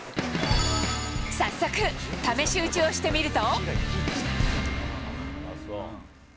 早速、試し打ちをしてみると。